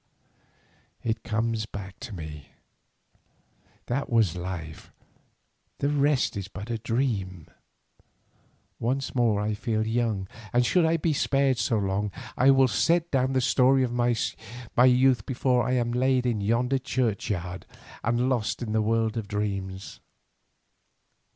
It comes back to me; that was life, the rest is but a dream. Once more I feel young, and, should I be spared so long, I will set down the story of my youth before I am laid in yonder churchyard and lost in the world of dreams.